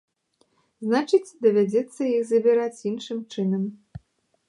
Значыць, давядзецца іх забіраць іншым чынам.